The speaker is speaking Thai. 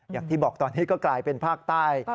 อย่างที่บอกตอนนี้ก็กลายเป็นภาคใต้